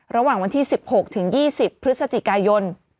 ระหว่างวันที่๑๖ถึง๒๐พฤศจิกายน